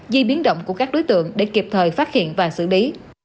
di biến động của các đối tượng để kịp thời phát hiện và xử lý